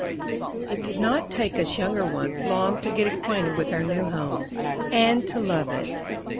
IT did not take us younger ones long to get acquainted with our new home, and to love it.